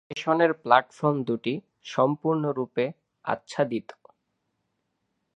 স্টেশনের প্ল্যাটফর্ম দুটি সম্পূর্ণ রূপে আচ্ছাদিত।